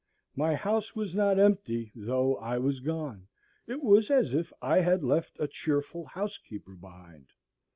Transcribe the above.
My house was not empty though I was gone. It was as if I had left a cheerful housekeeper behind.